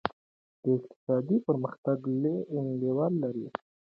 دا د اقتصادي پرمختګ لویه لار ده.